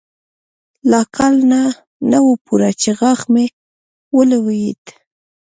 لا کال نه و پوره چې غاښ مې ولوېد.